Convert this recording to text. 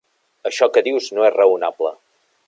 Això que dius no és raonable.